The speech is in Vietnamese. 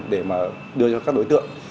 để mà đưa cho các đối tượng